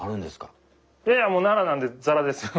いやいやもう奈良なんでザラですよ。